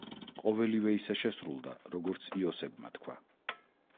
ყოველივე ისე შესრულდა, როგორც იოსებმა თქვა.